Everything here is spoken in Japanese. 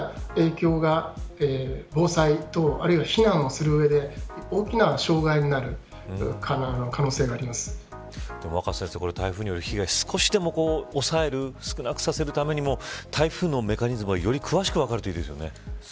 そういった影響が防災等あるいは、避難をする上で大きな障害になる若狭先生、台風による被害少しでも抑える少なくさせるためにも台風のメカニズム、より詳しく分かるといいですね。